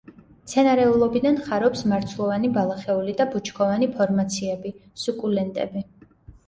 მცენარეულობიდან ხარობს მარცვლოვანი ბალახეული და ბუჩქოვანი ფორმაციები, სუკულენტები.